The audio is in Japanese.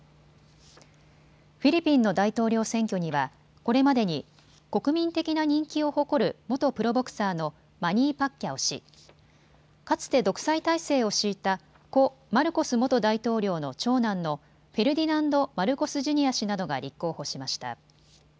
フィリピンの大統領選挙にはこれまでに国民的な人気を誇る元プロボクサーのマニー・パッキャオ氏、かつて独裁体制を敷いた故マルコス元大統領の長男のフェルディナンド・マルコス・ジュニア氏などが立候補しました。